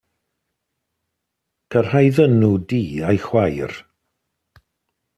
Cyrhaeddon nhw dŷ ei chwaer.